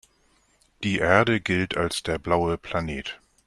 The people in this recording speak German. Die Erde gilt als der „blaue Planet“.